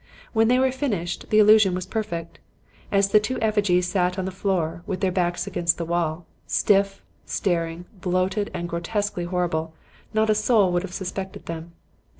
When they were finished, the illusion was perfect. As the two effigies sat on the floor with their backs against the wall, stiff, staring, bloated and grotesquely horrible, not a soul would have suspected them.